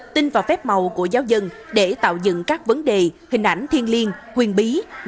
tin vào phép màu của giáo dân để tạo dựng các vấn đề hình ảnh thiên liên huyền bí